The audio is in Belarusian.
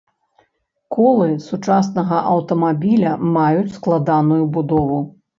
Колы сучаснага аўтамабіля маюць складаную будову.